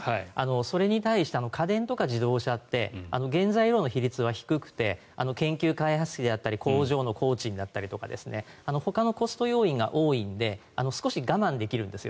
それに対して家電とか自動車って原材料の比率は低くて研究開発費であったり工場の工賃であったりほかのコスト要因が多いので少し我慢できるんですよ